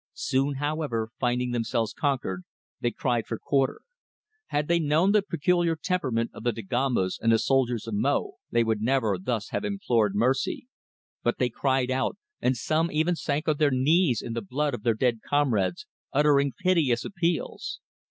Soon, however, finding themselves conquered, they cried for quarter. Had they known the peculiar temperament of the Dagombas and the soldiers of Mo, they would never thus have implored mercy. But they cried out, and some even sank on their knees in the blood of their dead comrades, uttering piteous appeals.